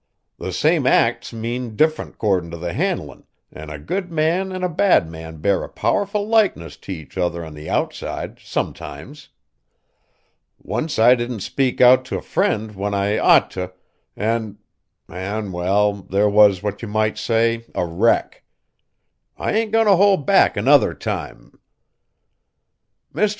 The same acts mean different 'cordin' t' the handlin', an' a good man an' a bad man bear a powerful likeness t' each other on the outside, sometimes. Once I didn't speak out t' a friend when I ought t', an' an', well, there was, what you might say, a wreck! I ain't goin' t' hold back another time. Mr.